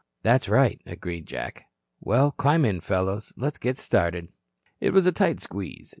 "That's right," agreed Jack. "Well, climb in fellows, and let's get started." It was a tight squeeze.